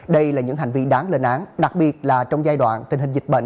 đây là những hành vi đáng lên án đặc biệt là trong giai đoạn tình hình dịch bệnh